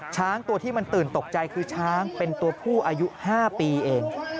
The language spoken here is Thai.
ช้างตัวที่มันตื่นตกใจคือช้างเป็นตัวผู้อายุ๕ปีเอง